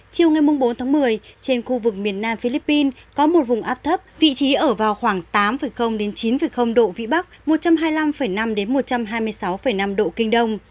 chiều ngày bốn tháng một mươi trên khu vực miền nam philippines có một vùng áp thấp vị trí ở vào khoảng tám chín độ vĩ bắc một trăm hai mươi năm năm một trăm hai mươi sáu năm độ kinh đông